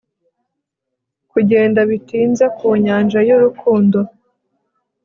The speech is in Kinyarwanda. kugenda bitinze ku nyanja y'urukundo